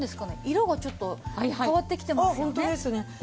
色がちょっと変わってきてますよね。